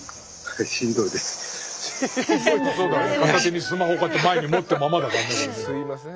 片手にスマホこうやって前に持ったままだからね。